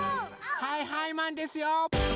はいはいマンですよ！